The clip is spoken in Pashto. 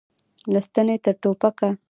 له ستنې تر ټوپکه.